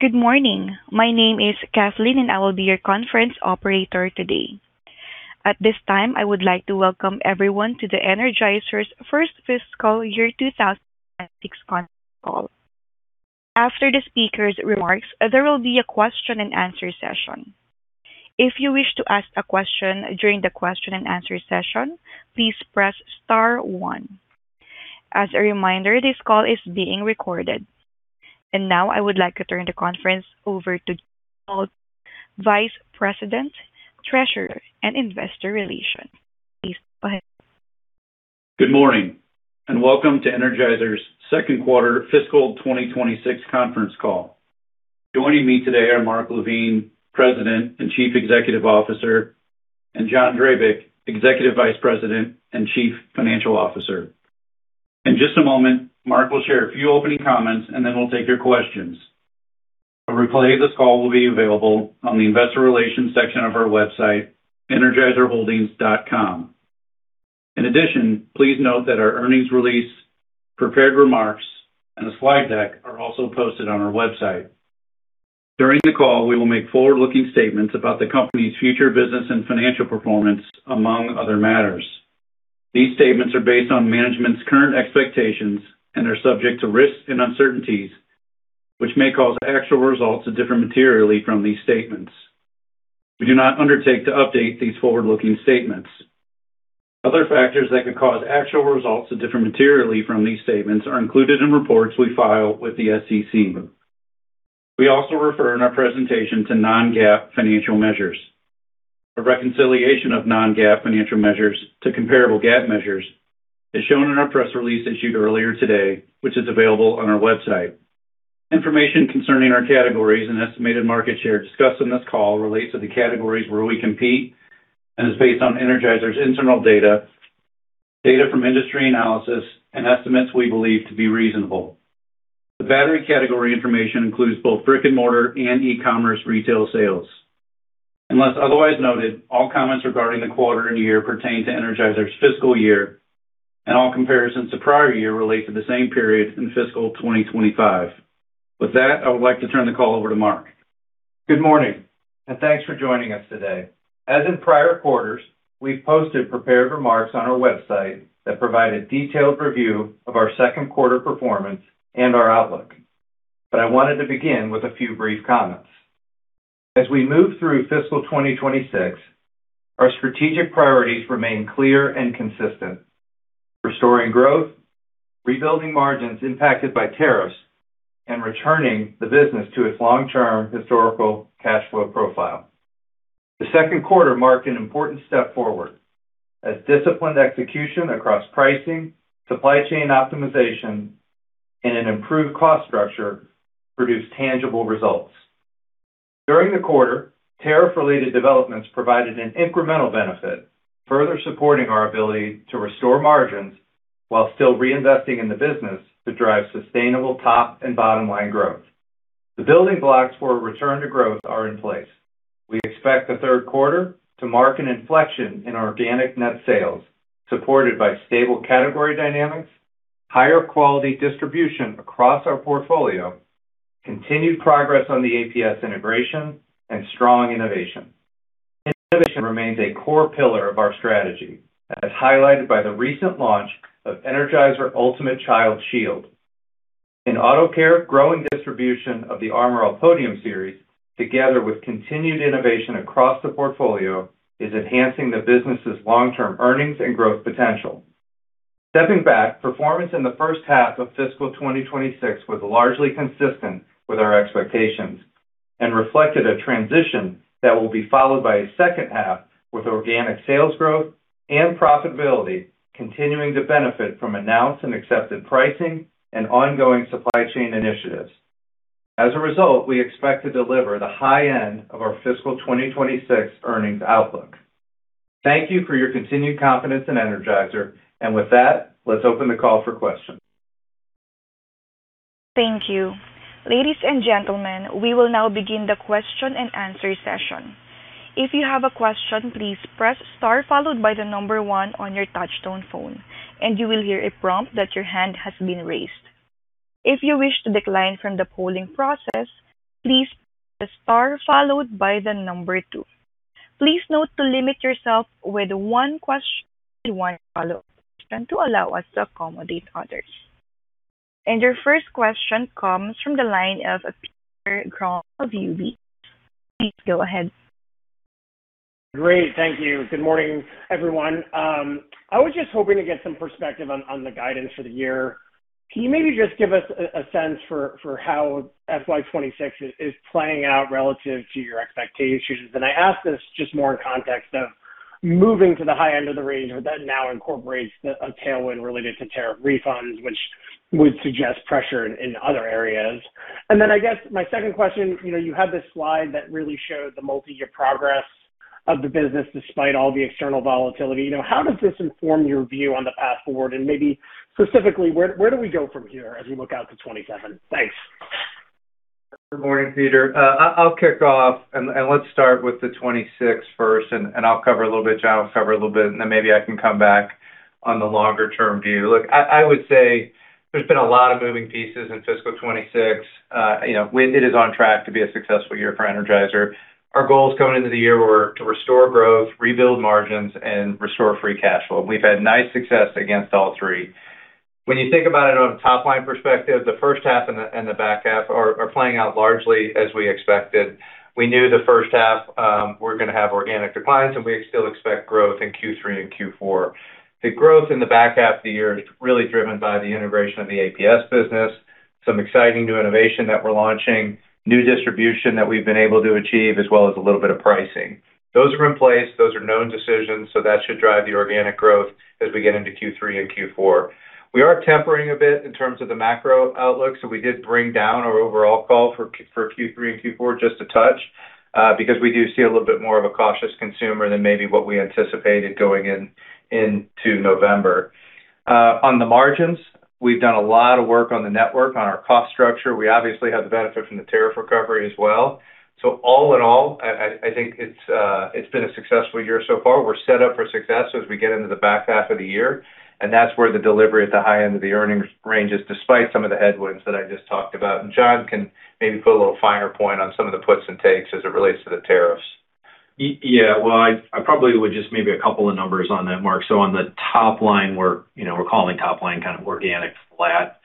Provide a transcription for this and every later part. Good morning. My name is Kathleen, and I will be your conference operator today. At this time, I would like to welcome everyone to the Energizer's first fiscal year 2006 conference call. After the speaker's remarks, there will be a question and answer session. If you wish to ask a question during the question and answer session, please press star one. As a reminder, this call is being recorded. Now I would like to turn the conference over to Jon Poldan, Vice President, Treasurer and Investor Relations. Please go ahead. Good morning, welcome to Energizer's second quarter fiscal 2026 conference call. Joining me today are Mark LaVigne, President and Chief Executive Officer, and John Drabik, Executive Vice President and Chief Financial Officer. In just a moment, Mark will share a few opening comments, then we'll take your questions. A replay of this call will be available on the investor relations section of our website, energizerholdings.com. In addition, please note that our earnings release, prepared remarks, and the slide deck are also posted on our website. During the call, we will make forward-looking statements about the company's future business and financial performance, among other matters. These statements are based on management's current expectations and are subject to risks and uncertainties, which may cause actual results to differ materially from these statements. We do not undertake to update these forward-looking statements. Other factors that could cause actual results to differ materially from these statements are included in reports we file with the SEC. We also refer in our presentation to non-GAAP financial measures. A reconciliation of non-GAAP financial measures to comparable GAAP measures is shown in our press release issued earlier today, which is available on our website. Information concerning our categories and estimated market share discussed in this call relates to the categories where we compete and is based on Energizer's internal data from industry analysis, and estimates we believe to be reasonable. The battery category information includes both brick-and-mortar and e-commerce retail sales. Unless otherwise noted, all comments regarding the quarter and year pertain to Energizer's fiscal year, and all comparisons to prior year relate to the same period in fiscal 2025. With that, I would like to turn the call over to Mark. Good morning, and thanks for joining us today. As in prior quarters, we've posted prepared remarks on our website that provide a detailed review of our second quarter performance and our outlook. I wanted to begin with a few brief comments. As we move through fiscal 2026, our strategic priorities remain clear and consistent. Restoring growth, rebuilding margins impacted by tariffs, and returning the business to its long-term historical cash flow profile. The second quarter marked an important step forward as disciplined execution across pricing, supply chain optimization, and an improved cost structure produced tangible results. During the quarter, tariff-related developments provided an incremental benefit, further supporting our ability to restore margins while still reinvesting in the business to drive sustainable top and bottom line growth. The building blocks for a return to growth are in place. We expect the third quarter to mark an inflection in organic net sales, supported by stable category dynamics, higher quality distribution across our portfolio, continued progress on the APS integration, and strong innovation. Innovation remains a core pillar of our strategy, as highlighted by the recent launch of Energizer Ultimate Child Shield. In auto care, growing distribution of the Armor All Podium Series, together with continued innovation across the portfolio, is enhancing the business's long-term earnings and growth potential. Stepping back, performance in the first half of fiscal 2026 was largely consistent with our expectations and reflected a transition that will be followed by a second half with organic sales growth and profitability continuing to benefit from announced and accepted pricing and ongoing supply chain initiatives. As a result, we expect to deliver the high end of our fiscal 2026 earnings outlook. Thank you for your continued confidence in Energizer. With that, let's open the call for questions. Thank you. Ladies and gentlemen, we will now begin the question and answer session. If you have a question, please press star followed by the number one on your touch tone phone, and you will hear a prompt that your hand has been raised. If you wish to decline from the polling process, please press star followed by the number two. Please note to limit yourself with one question and one follow-up question to allow us to accommodate others. Your first question comes from the line of Peter Grom of UBS. Please go ahead. Great. Thank you. Good morning, everyone. I was just hoping to get some perspective on the guidance for the year. Can you maybe just give us a sense for how FY 2026 is playing out relative to your expectations? I ask this just more in context of moving to the high end of the range, or that now incorporates a tailwind related to tariff refunds, which would suggest pressure in other areas. I guess my second question, you know, you had this slide that really showed the multi-year progress of the business despite all the external volatility. You know, how does this inform your view on the path forward? Maybe specifically, where do we go from here as we look out to 2027? Thanks. Good morning, Peter. I'll kick off and let's start with the 2026 first, and I'll cover a little bit, John will cover a little bit, and then maybe I can come back on the longer-term view. Look, I would say there's been a lot of moving pieces in fiscal 2026. You know, it is on track to be a successful year for Energizer. Our goals going into the year were to restore growth, rebuild margins, and restore free cash flow. We've had nice success against all three. When you think about it on a top-line perspective, the first half and the back half are playing out largely as we expected. We knew the first half, we're gonna have organic declines, and we still expect growth in Q3 and Q4. The growth in the back half of the year is really driven by the integration of the APS business, some exciting new innovation that we're launching, new distribution that we've been able to achieve, as well as a little bit of pricing. Those are in place, those are known decisions, that should drive the organic growth as we get into Q3 and Q4. We are tempering a bit in terms of the macro outlook, we did bring down our overall call for Q3 and Q4 just a touch, because we do see a little bit more of a cautious consumer than maybe what we anticipated going into November. On the margins, we've done a lot of work on the network, on our cost structure. We obviously have the benefit from the tariff recovery as well. All in all, I think it's been a successful year so far. We're set up for success as we get into the back half of the year, and that's where the delivery at the high end of the earnings range is, despite some of the headwinds that I just talked about. John can maybe put a little finer point on some of the puts and takes as it relates to the tariffs. Yeah. Well, I probably would just maybe a couple of numbers on that, Mark. On the top line, we're, you know, calling top line kind of organic flat.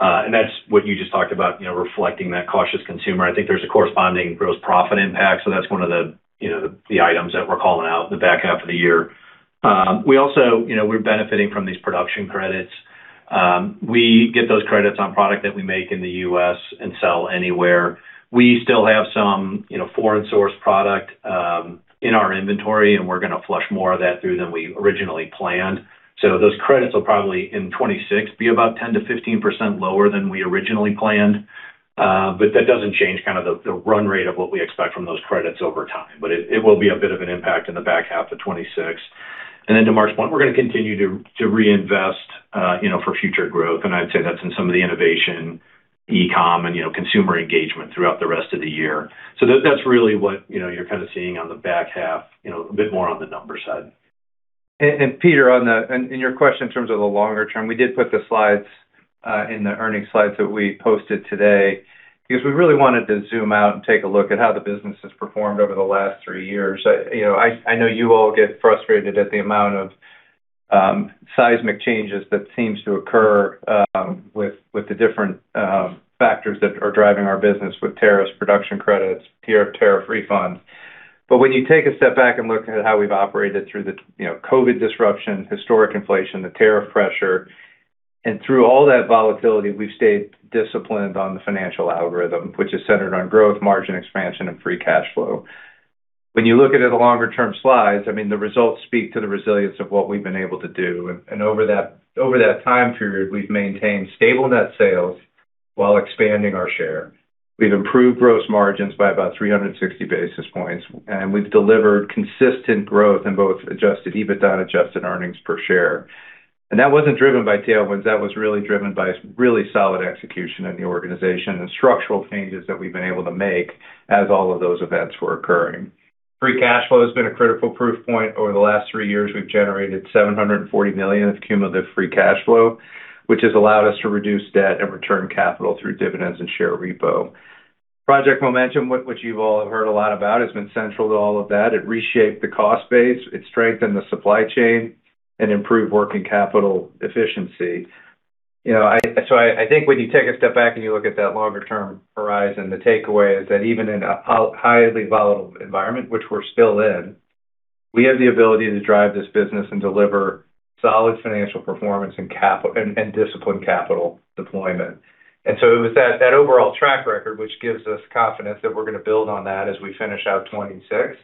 That's what you just talked about, you know, reflecting that cautious consumer. I think there's a corresponding gross profit impact, that's one of the, you know, the items that we're calling out in the back half of the year. We also, you know, benefiting from these production credits. We get those credits on product that we make in the U.S. and sell anywhere. We still have some, you know, foreign source product, in our inventory, we're gonna flush more of that through than we originally planned. Those credits will probably, in 2026, be about 10%-15% lower than we originally planned. That doesn't change kind of the run rate of what we expect from those credits over time. It, it will be a bit of an impact in the back half of 2026. To Mark's point, we're gonna continue to reinvest, you know, for future growth. I'd say that's in some of the innovation, e-com, and you know, consumer engagement throughout the rest of the year. That's really what, you know, you're kind of seeing on the back half, you know, a bit more on the numbers side. Peter, on your question in terms of the longer term, we did put the slides in the earnings slides that we posted today because we really wanted to zoom out and take a look at how the business has performed over the last three years. You know, I know you all get frustrated at the amount of seismic changes that seems to occur with the different factors that are driving our business with tariffs, production credits, tariff refunds. When you take a step back and look at how we've operated through the, you know, COVID disruption, historic inflation, the tariff pressure, and through all that volatility, we've stayed disciplined on the financial algorithm, which is centered on growth, margin expansion, and free cash flow. When you look at it at the longer-term slides, I mean, the results speak to the resilience of what we've been able to do. Over that time period, we've maintained stable net sales while expanding our share. We've improved gross margins by about 360 basis points, and we've delivered consistent growth in both adjusted EBITDA and adjusted earnings per share. That wasn't driven by tailwinds, that was really driven by really solid execution in the organization and structural changes that we've been able to make as all of those events were occurring. Free cash flow has been a critical proof point. Over the last three years, we've generated $740 million of cumulative free cash flow, which has allowed us to reduce debt and return capital through dividends and share repo. Project Momentum, which you've all heard a lot about, has been central to all of that. It reshaped the cost base, it strengthened the supply chain, and improved working capital efficiency. You know, I think when you take a step back and you look at that longer-term horizon, the takeaway is that even in a highly volatile environment, which we're still in, we have the ability to drive this business and deliver solid financial performance and disciplined capital deployment. It was that overall track record, which gives us confidence that we're gonna build on that as we finish out 2026.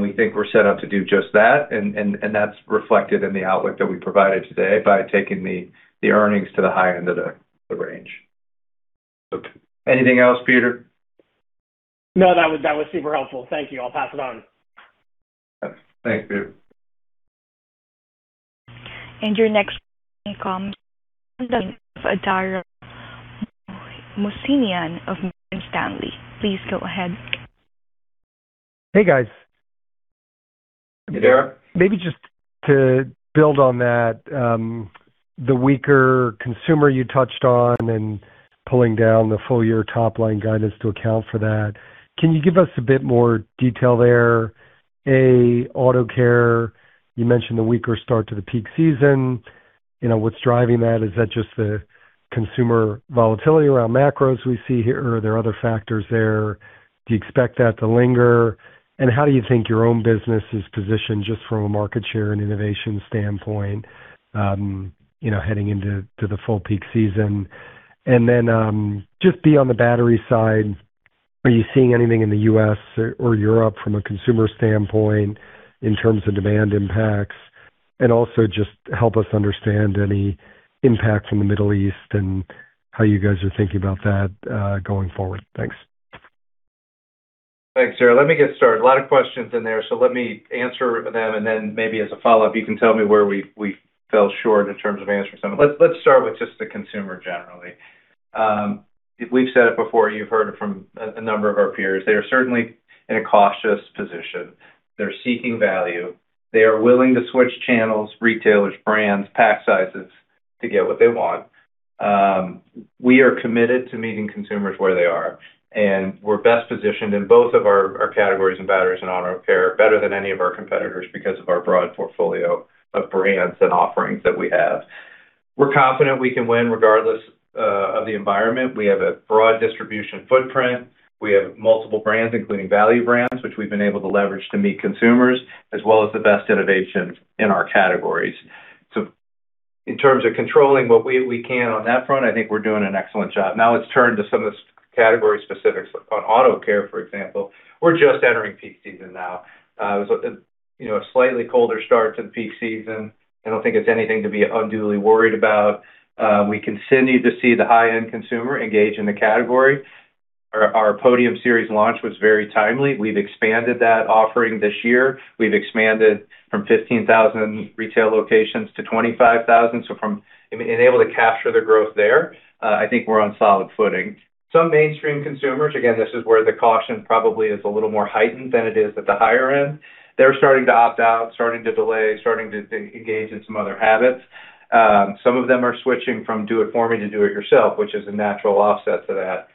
We think we're set up to do just that, and that's reflected in the outlook that we provided today by taking the earnings to the high end of the range. Anything else, Peter? No, that was super helpful. Thank you. I'll pass it on. Thanks you. Your next comes on the line of Dara Mohsenian of Morgan Stanley. Please go ahead. Hey, guys. Hey, Dara. Maybe just to build on that, the weaker consumer you touched on and pulling down the full-year top-line guidance to account for that, can you give us a bit more detail there? A, Auto care, you mentioned the weaker start to the peak season. You know, what's driving that? Is that just the consumer volatility around macros we see here, or are there other factors there? Do you expect that to linger? How do you think your own business is positioned just from a market share and innovation standpoint, you know, heading into the full peak season? Just beyond the battery side, are you seeing anything in the U.S. or Europe from a consumer standpoint in terms of demand impacts? Just help us understand any impacts in the Middle East and how you guys are thinking about that going forward. Thanks. Thanks, Dara. Let me get started. A lot of questions in there. Let me answer them. Maybe as a follow-up, you can tell me where we fell short in terms of answering some. Let's start with just the consumer generally. If we've said it before, you've heard it from a number of our peers, they are certainly in a cautious position. They're seeking value. They are willing to switch channels, retailers, brands, pack sizes to get what they want. We are committed to meeting consumers where they are. We're best positioned in both of our categories in Batteries and Auto care better than any of our competitors because of our broad portfolio of brands and offerings that we have. We're confident we can win regardless of the environment. We have a broad distribution footprint. We have multiple brands, including value brands, which we've been able to leverage to meet consumers, as well as the best innovations in our categories. In terms of controlling what we can on that front, I think we're doing an excellent job. Now let's turn to some of the category specifics. On Auto care, for example, we're just entering peak season now. It was a, you know, a slightly colder start to the peak season. I don't think it's anything to be unduly worried about. We continue to see the high-end consumer engage in the category. Our Podium Series launch was very timely. We've expanded that offering this year. We've expanded from 15,000 retail locations to 25,000, able to capture the growth there, I think we're on solid footing. Some mainstream consumers, again, this is where the caution probably is a little more heightened than it is at the higher end. They're starting to opt out, starting to delay, starting to engage in some other habits. Some of them are switching from do it for me to do it yourself, which is a natural offset to that.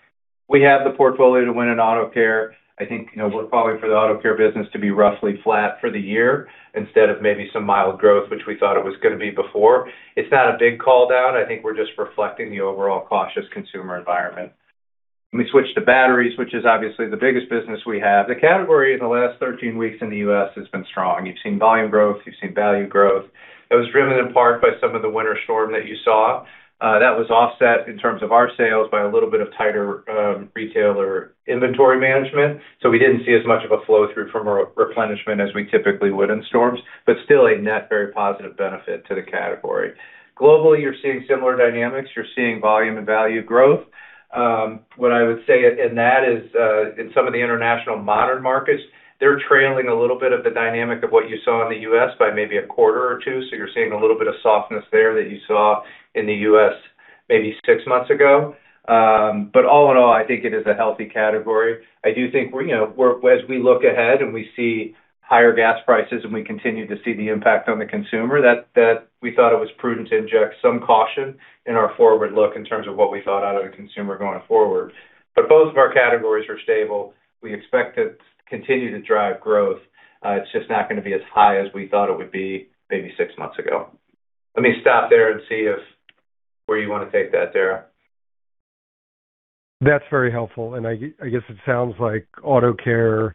We have the portfolio to win in Auto care. I think, you know, we're calling for the Auto care business to be roughly flat for the year instead of maybe some mild growth, which we thought it was gonna be before. It's not a big call down. I think we're just reflecting the overall cautious consumer environment. Let me switch to batteries, which is obviously the biggest business we have. The category in the last 13 weeks in the U.S. has been strong. You've seen volume growth, you've seen value growth. Was driven in part by some of the winter storm that you saw. Was offset in terms of our sales by a little bit of tighter retailer inventory management, so we didn't see as much of a flow-through from re-replenishment as we typically would in storms, but still a net very positive benefit to the category. Globally, you're seeing similar dynamics. You're seeing volume and value growth. What I would say in that is in some of the international modern markets, they're trailing a little bit of the dynamic of what you saw in the U.S. by maybe a quarter or two, so you're seeing a little bit of softness there that you saw in the U.S. maybe six months ago. All in all, I think it is a healthy category. I do think we're, you know, as we look ahead and we see higher gas prices and we continue to see the impact on the consumer, that we thought it was prudent to inject some caution in our forward look in terms of what we thought out of the consumer going forward. Both of our categories are stable. We expect to continue to drive growth. It's just not gonna be as high as we thought it would be maybe six months ago. Let me stop there and see if where you wanna take that, Dara. That's very helpful. I guess it sounds like Auto care,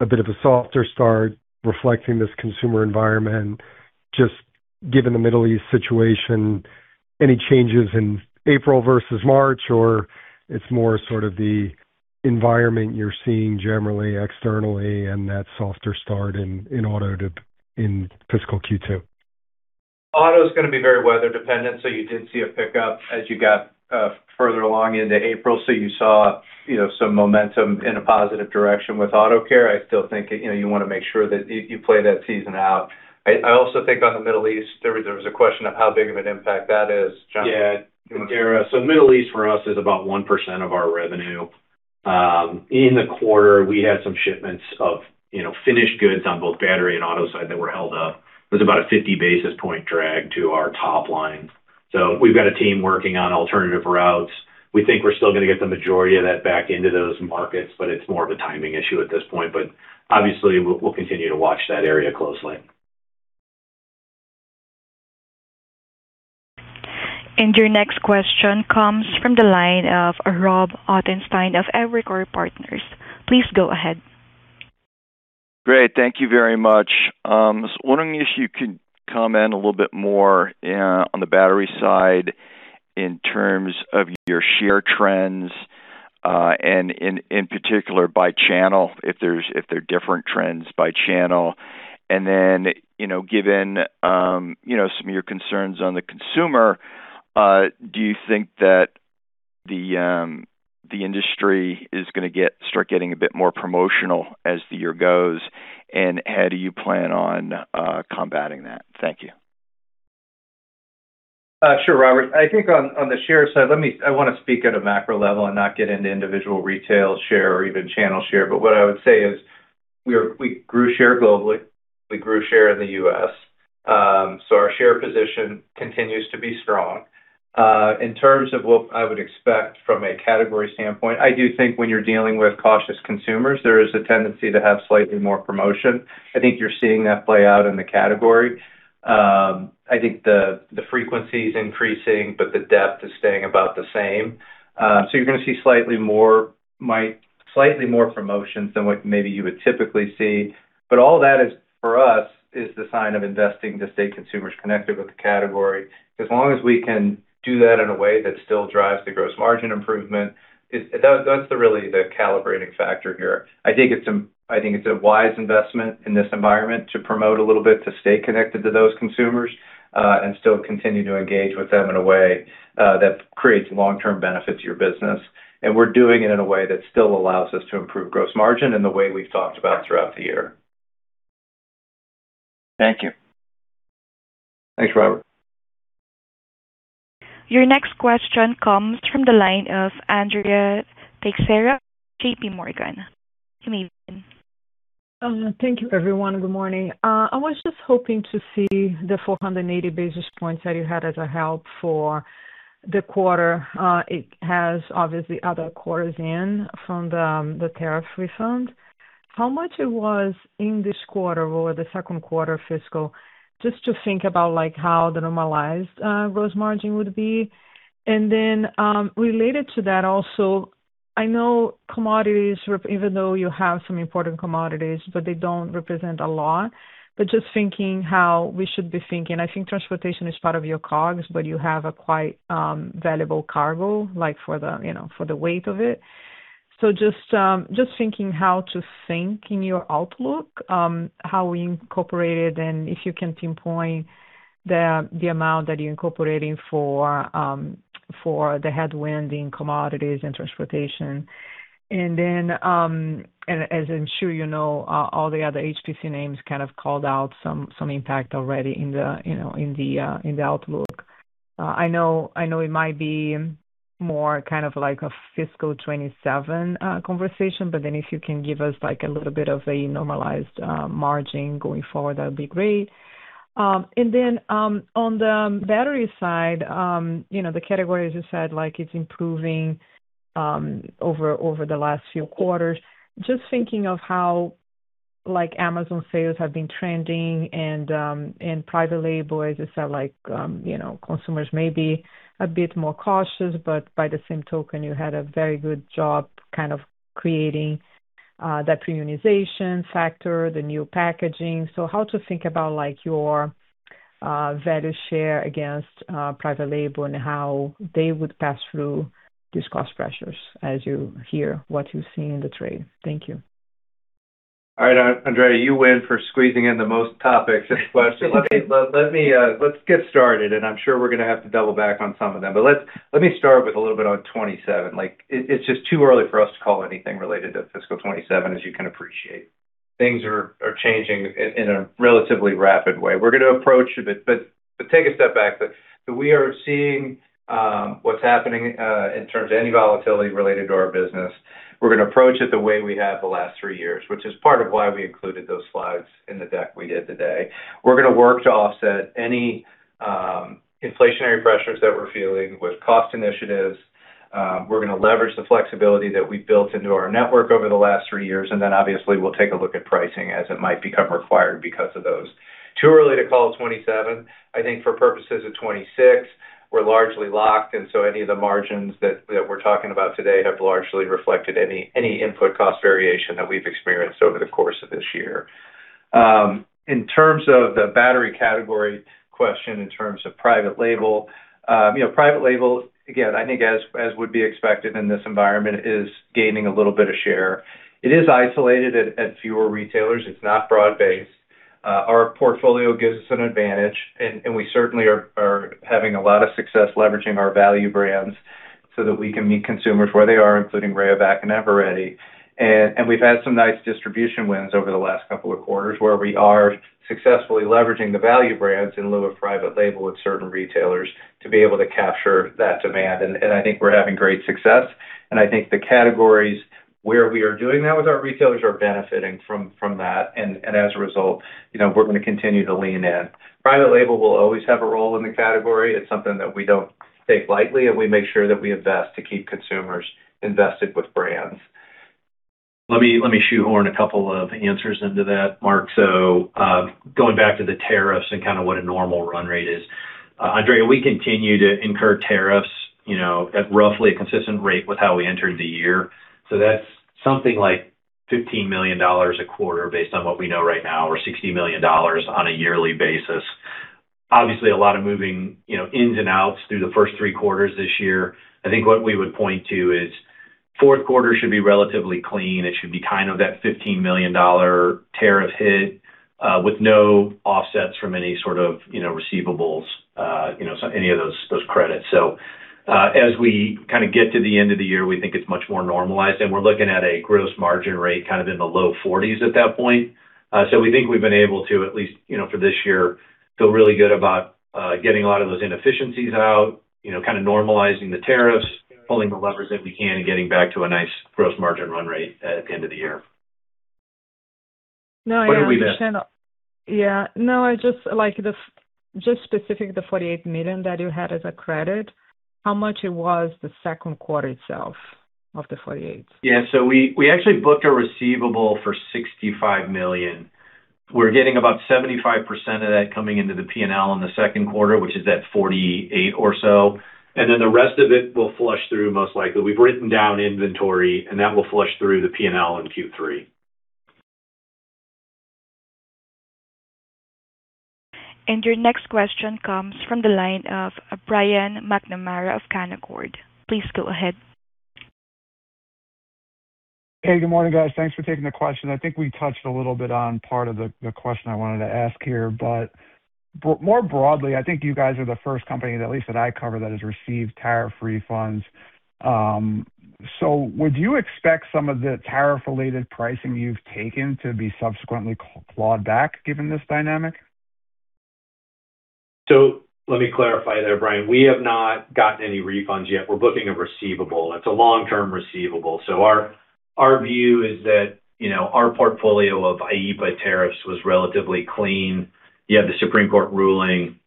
a bit of a softer start reflecting this consumer environment. Just given the Middle East situation, any changes in April versus March, or it's more sort of the environment you're seeing generally externally and that softer start in auto in fiscal Q2? Auto's gonna be very weather dependent. You did see a pickup as you got further along into April. You saw, you know, some momentum in a positive direction with Auto care. I still think, you know, you wanna make sure that you play that season out. I also think on the Middle East, there was a question of how big of an impact that is. John? Yeah, Dara. Middle East for us is about 1% of our revenue. In the quarter, we had some shipments of, you know, finished goods on both battery and auto side that were held up. It was about a 50 basis point drag to our top line. We've got a team working on alternative routes. We think we're still gonna get the majority of that back into those markets, but it's more of a timing issue at this point. Obviously, we'll continue to watch that area closely. Your next question comes from the line of Rob Ottenstein of Evercore ISI. Please go ahead. Great. Thank you very much. I was wondering if you could comment a little bit more on the battery side in terms of your share trends, and in particular by channel, if there are different trends by channel. Then, you know, given some of your concerns on the consumer, do you think that the industry is start getting a bit more promotional as the year goes? How do you plan on combating that? Thank you. Sure, Robert. I think on the share side, I wanna speak at a macro level and not get into individual retail share or even channel share. What I would say is we grew share globally. We grew share in the U.S. Our share position continues to be strong. In terms of what I would expect from a category standpoint, I do think when you're dealing with cautious consumers, there is a tendency to have slightly more promotion. I think you're seeing that play out in the category. I think the frequency is increasing, but the depth is staying about the same. You're gonna see slightly more promotions than what maybe you would typically see. All that is, for us, is the sign of investing to stay consumers connected with the category. As long as we can do that in a way that still drives the gross margin improvement, that's really the calibrating factor here. I think it's a wise investment in this environment to promote a little bit to stay connected to those consumers and still continue to engage with them in a way that creates long-term benefit to your business. We're doing it in a way that still allows us to improve gross margin in the way we've talked about throughout the year. Thank you. Thanks, Robert. Your next question comes from the line of Andrea Teixeira, JPMorgan. You may begin. Thank you everyone. Good morning. I was just hoping to see the 480 basis points that you had as a help for the quarter. It has obviously other quarters in from the tariff refunds. How much it was in this quarter or the second quarter fiscal, just to think about like how the normalized gross margin would be. Then, related to that also, I know commodities even though you have some important commodities, but they don't represent a lot. Just thinking how we should be thinking, I think transportation is part of your COGS, but you have a quite valuable cargo, like for the, you know, for the weight of it. Just thinking how to think in your outlook, how we incorporate it, and if you can pinpoint the amount that you're incorporating for the headwind in commodities and transportation. As I'm sure you know, all the other HPC names kind of called out some impact already in the outlook. I know it might be more kind of like a fiscal 2027 conversation, if you can give us like a little bit of a normalized margin going forward, that'd be great. On the battery side, the category, as you said, like it's improving over the last few quarters. Just thinking of how like Amazon sales have been trending and private label, as you said, like, you know, consumers may be a bit more cautious, but by the same token, you had a very good job kind of creating that premiumization factor, the new packaging. How to think about like your value share against private label and how they would pass through these cost pressures as you hear what you see in the trade. Thank you. All right, Andrea, you win for squeezing in the most topics in a question. Let me, let's get started, I'm sure we're gonna have to double back on some of them. Let's, let me start with a little bit on 2027. It's just too early for us to call anything related to fiscal 2027, as you can appreciate. Things are changing in a relatively rapid way. We're gonna approach. Take a step back. We are seeing what's happening in terms of any volatility related to our business. We're gonna approach it the way we have the last three years, which is part of why we included those slides in the deck we did today. We're gonna work to offset any inflationary pressures that we're feeling with cost initiatives. We're gonna leverage the flexibility that we've built into our network over the last three years, and then obviously we'll take a look at pricing as it might become required because of those. Too early to call 2027. I think for purposes of 2026, we're largely locked. Any of the margins that we're talking about today have largely reflected any input cost variation that we've experienced over the course of this year. In terms of the battery category question, in terms of private label, you know, private label, again, I think as would be expected in this environment, is gaining a little bit of share. It is isolated at fewer retailers. It's not broad-based. Our portfolio gives us an advantage, and we certainly are having a lot of success leveraging our value brands so that we can meet consumers where they are, including Rayovac and Eveready. We've had some nice distribution wins over the last couple of quarters, where we are successfully leveraging the value brands in lieu of private label with certain retailers to be able to capture that demand. I think we're having great success, and I think the categories where we are doing that with our retailers are benefiting from that. As a result, you know, we're gonna continue to lean in. Private label will always have a role in the category. It's something that we don't take lightly, and we make sure that we invest to keep consumers invested with brands. Let me shoehorn a couple of answers into that, Mark. Going back to the tariffs and kind of what a normal run rate is. Andrea, we continue to incur tariffs, you know, at roughly a consistent rate with how we entered the year. That's something like $15 million a quarter based on what we know right now, or $60 million on a yearly basis. Obviously, a lot of moving, you know, ins and outs through the first three quarters this year. I think what we would point to is fourth quarter should be relatively clean. It should be kind of that $15 million tariff hit, with no offsets from any sort of, you know, receivables, you know, any of those credits. As we kinda get to the end of the year, we think it's much more normalized, and we're looking at a gross margin rate kind of in the low 40s% at that point. We think we've been able to at least, you know, for this year, feel really good about getting a lot of those inefficiencies out, you know, kind of normalizing the tariffs, pulling the levers if we can, and getting back to a nice gross margin run rate at the end of the year. No, I understand. What did we miss? No, specific, the $48 million that you had as a credit, how much it was the second quarter itself of the $48 million? Yeah. We actually booked a receivable for $65 million. We're getting about 75% of that coming into the P&L in the second quarter, which is that $48 million or so. The rest of it will flush through most likely. We've written down inventory, and that will flush through the P&L in Q3. Your next question comes from the line of Brian McNamara of Canaccord. Please go ahead. Good morning, guys. Thanks for taking the question. I think we touched a little bit on part of the question I wanted to ask here. More broadly, I think you guys are the first company, at least that I cover, that has received tariff refunds. Would you expect some of the tariff-related pricing you've taken to be subsequently clawed back given this dynamic? Let me clarify there, Brian. We have not gotten any refunds yet. We're booking a receivable. It's a long-term receivable. Our view is that, you know, our portfolio of IEPA tariffs was relatively clean. You have the Supreme Court ruling.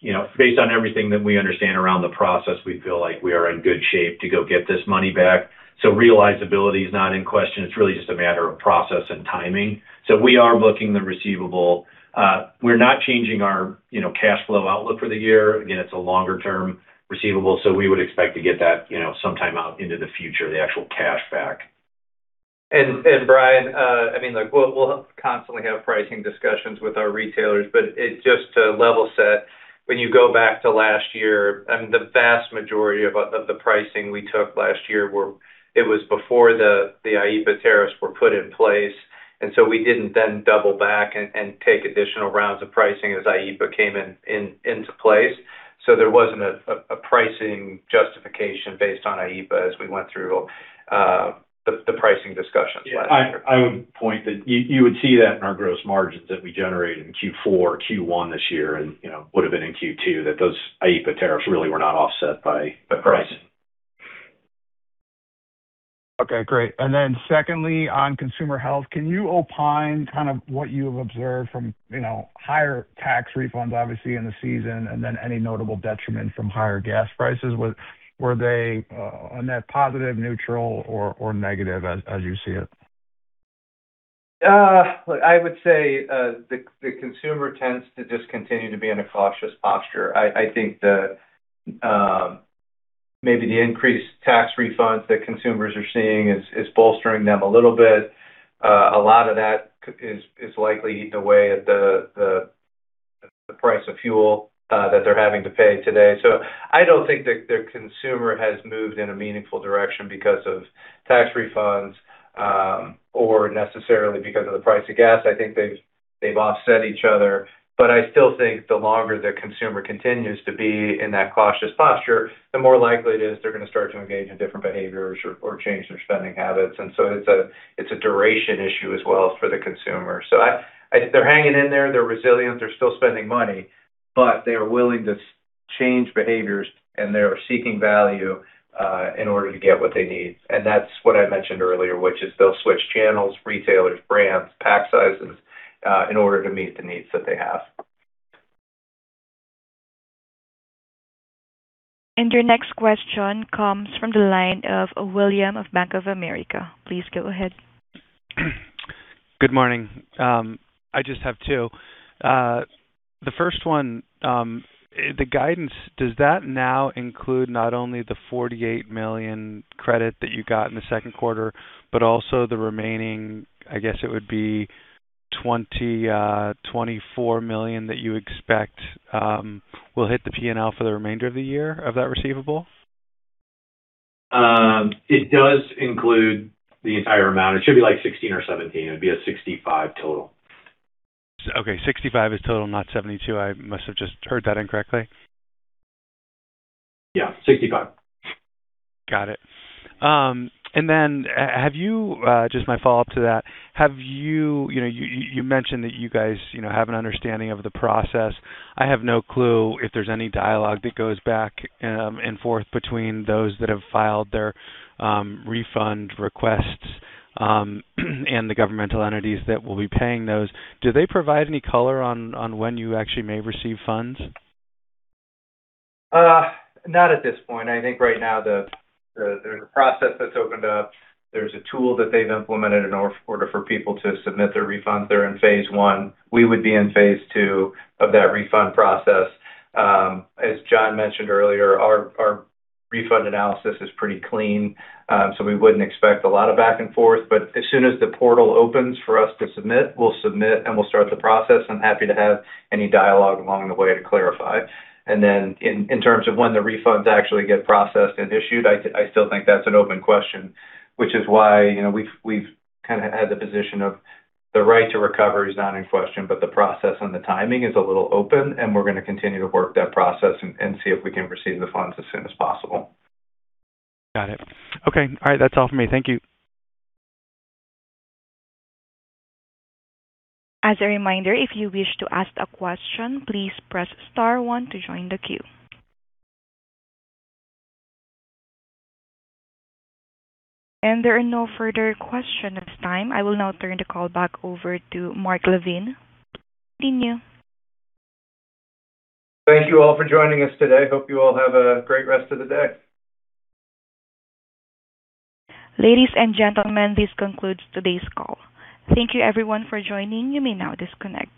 You know, based on everything that we understand around the process, we feel like we are in good shape to go get this money back. Realizability is not in question. It's really just a matter of process and timing. We are booking the receivable. We're not changing our, you know, cash flow outlook for the year. Again, it's a longer-term receivable, so we would expect to get that, you know, sometime out into the future, the actual cash back. Brian, look, we'll constantly have pricing discussions with our retailers, but just to level set, when you go back to last year and the vast majority of the pricing we took last year, it was before the IEPA tariffs were put in place. We didn't then double back and take additional rounds of pricing as IEPA came into place. There wasn't a pricing justification based on IEPA as we went through the pricing discussions last year. Yeah, I would point that you would see that in our gross margins that we generated in Q4, Q1 this year and, you know, would have been in Q2, that those IEPA tariffs really were not offset by the pricing. Okay, great. Secondly, on consumer health, can you opine kind of what you have observed from, you know, higher tax refunds obviously in the season and then any notable detriment from higher gas prices? Were they on net positive, neutral or negative as you see it? I would say, the consumer tends to just continue to be in a cautious posture. I think the, maybe the increased tax refunds that consumers are seeing is bolstering them a little bit. A lot of that is likely eaten away at the price of fuel that they're having to pay today. I don't think the consumer has moved in a meaningful direction because of tax refunds or necessarily because of the price of gas. I think they've offset each other. I still think the longer the consumer continues to be in that cautious posture, the more likely it is they're gonna start to engage in different behaviors or change their spending habits. It's a duration issue as well for the consumer. They're hanging in there, they're resilient, they're still spending money, but they are willing to change behaviors, and they are seeking value in order to get what they need. That's what I mentioned earlier, which is they'll switch channels, retailers, brands, pack sizes in order to meet the needs that they have. Your next question comes from the line of William Reuter of Bank of America. Please go ahead. Good morning. I just have two. The first one, the guidance, does that now include not only the $48 million credit that you got in the second quarter, but also the remaining, I guess it would be $24 million that you expect will hit the P&L for the remainder of the year of that receivable? It does include the entire amount. It should be like $16 million or $17 million. It'd be a $65 million total. Okay, $65 million is total, not $72 million. I must have just heard that incorrectly. Yeah, $65 million. Got it. Just my follow-up to that, have you know, you mentioned that you guys, you know, have an understanding of the process. I have no clue if there's any dialogue that goes back and forth between those that have filed their refund requests and the governmental entities that will be paying those. Do they provide any color on when you actually may receive funds? Not at this point. I think right now there's a process that's opened up. There's a tool that they've implemented in order for people to submit their refunds. They're in phase one. We would be in phase two of that refund process. As John mentioned earlier, our refund analysis is pretty clean, so we wouldn't expect a lot of back and forth. As soon as the portal opens for us to submit, we'll submit, and we'll start the process. I'm happy to have any dialogue along the way to clarify. In terms of when the refunds actually get processed and issued, I still think that's an open question, which is why, you know, we've kind of had the position of the right to recover is not in question, but the process and the timing is a little open, and we're gonna continue to work that process and see if we can receive the funds as soon as possible. Got it. Okay. All right. That's all for me. Thank you. As a reminder, if you wish to ask a question, please press star one to join the queue. There are no further question at this time. I will now turn the call back over to Mark LaVigne. Continue. Thank you all for joining us today. Hope you all have a great rest of the day. Ladies and gentlemen, this concludes today's call. Thank you everyone for joining. You may now disconnect.